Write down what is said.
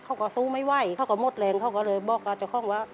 เขาก็สู้ไม่ไหวเขาก็หมดแรงเขาก็เลยบอกกับเจ้าของว่า